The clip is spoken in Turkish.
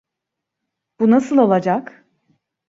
Bu nasıl olacak?